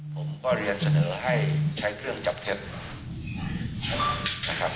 ตัวพิสูจน์เพิ่มเล็กน้อยก็คือชุดที่คุณจังโมใส่นั่นนะครับ